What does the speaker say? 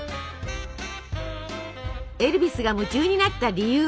エルヴィスが夢中になった理由